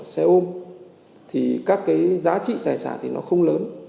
xe ôm thì các cái giá trị tài sản thì nó không lớn